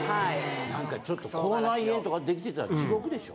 何かちょっと口内炎とかできてたら地獄でしょ？